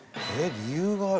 理由がある？